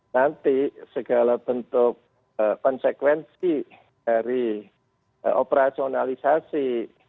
nanti segala bentuk konsekuensi dari operasionalisasi